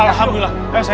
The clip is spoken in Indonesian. alhamdulillah berat lagi